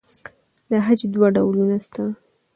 د خج دوه ډولونه شته.